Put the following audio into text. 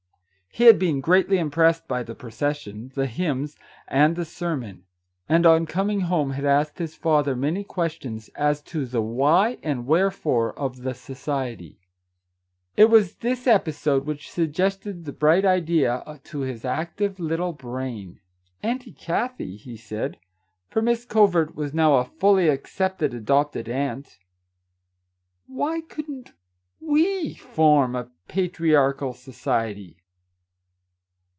He had been greatly impressed by the procession, the hymns, and the sermon, and on coming home had asked his father many questions as to the " why and wherefore " of the society. It was this episode which suggested the bright idea to his active little brain. tc Aunt Kathie," he said, — for Miss Covert was now a fully accepted adopted aunt, — "why couldn't we form a patriarchal society